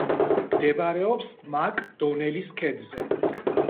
მდებარეობს მაკ-დონელის ქედზე.